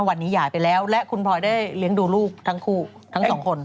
วันนี้หย่าไปแล้วและคุณพลอยได้เลี้ยงดูลูกทั้งคู่ทั้งสองคน